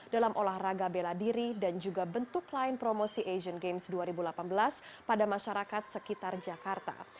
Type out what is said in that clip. dalam olahraga bela diri dan juga bentuk lain promosi asian games dua ribu delapan belas pada masyarakat sekitar jakarta